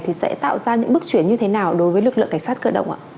thì sẽ tạo ra những bước chuyển như thế nào đối với lực lượng cảnh sát cơ động ạ